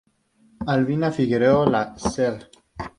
Albina Figueroa, la Sra.